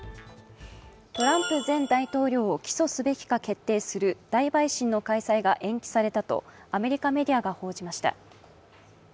トランプ前大統領を起訴すべきか決定する大陪審の開催が、延期されたと、アメリカメディアが報じました。